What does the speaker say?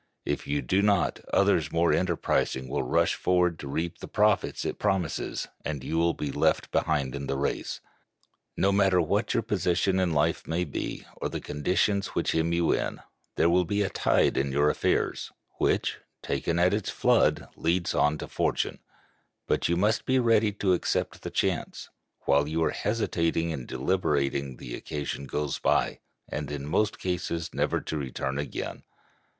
If you do not, others more enterprising will rush forward to reap the profits it promises, and you will be left behind in the race. No matter what your position in life may be or the conditions which hem you in, there will be a "tide" in your affairs, "which, taken at its flood, leads on to fortune." But you must be ready to accept the chance. While you are hesitating and deliberating the occasion goes by, in most cases never to return again.